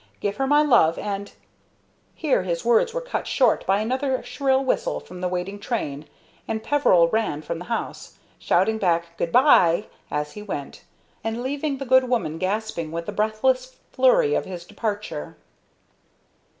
Give her my love, and " Here his words were cut short by another shrill whistle from the waiting train; and Peveril ran from the house, shouting back "Good bye!" as he went, and leaving the good woman gasping with the breathless flurry of his departure.